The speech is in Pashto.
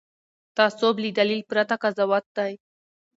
تعصب له دلیل پرته قضاوت دی